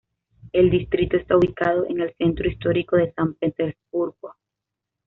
El distrito está ubicado en el centro histórico de San Petersburgo.